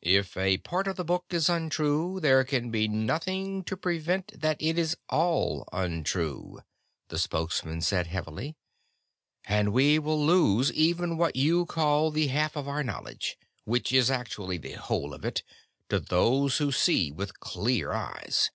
"If a part of the Book be untrue, there can be nothing to prevent that it is all untrue," the Spokesman said heavily. "And we will lose even what you call the half of our knowledge which is actually the whole of it to those who see with clear eyes."